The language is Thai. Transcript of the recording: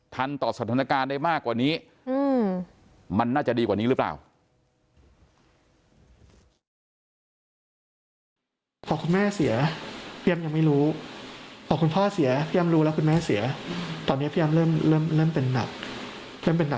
ต่อสถานการณ์ได้มากกว่านี้มันน่าจะดีกว่านี้หรือเปล่า